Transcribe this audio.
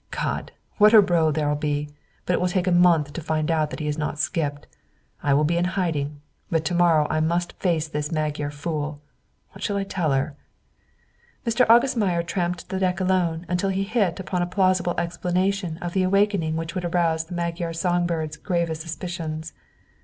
"God! What a row there'll be; but it will take a month to find out that he has not skipped. I will be in hiding; but to morrow I must face this Magyar fool. What shall I tell her?" Mr. August Meyer tramped the deck alone until he hit upon a plausible explanation of the awakening which would arouse the Magyar songbird's gravest suspicions.